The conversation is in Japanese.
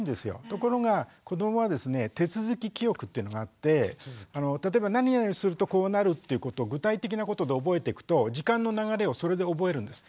ところが子どもはですね手続き記憶っていうのがあって例えば何々するとこうなるっていうことを具体的なことで覚えてくと時間の流れをそれで覚えるんです。